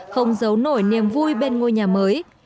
không giấu nổi niềm vui bên ngôi nhà mới